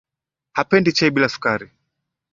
Hapendi chai bila sukari.